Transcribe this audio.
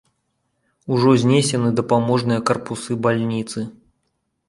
Ужо знесены дапаможныя карпусы бальніцы.